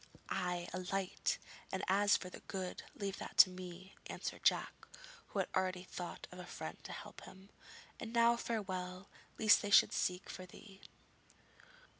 'Ay, a light; and as for the "good," leave that to me,' answered Jack, who had already thought of a friend to help him. 'And now farewell, lest they should seek for thee.'